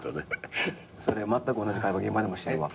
それまったく同じ会話現場でもしてるわ。